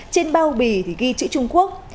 trên bao bì thì ghi chữ trung quốc